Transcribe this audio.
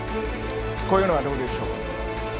こういうのはどうでしょう。